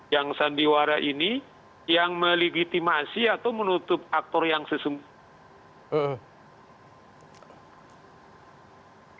yang sandiwara ini yang melegitimasi atau menutup aktor yang sesungguhnya